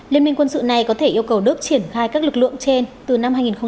liên minh quân sự này có thể yêu cầu đức triển khai các lực lượng trên từ năm hai nghìn hai mươi